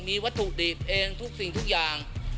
มีวัตถุดิบเองทุกสิ่งทุกอย่าง